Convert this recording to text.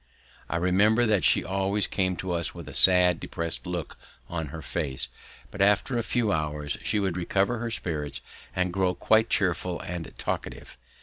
I remember that she always came to us with a sad, depressed look on her face, but after a few hours she would recover her spirits and grow quite cheerful and talkative.